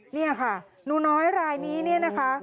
นี่ค่ะหนูน้อยรายนี้นะคะ